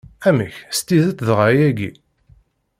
Amek s tidett dɣa ayagi?